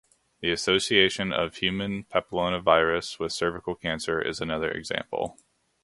The association of human papilloma virus with cervical cancer is another example.